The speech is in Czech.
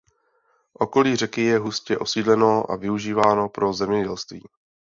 Okolí řeky je hustě osídleno a využíváno pro zemědělství.